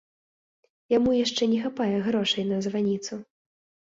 Яму яшчэ не хапае грошай на званіцу.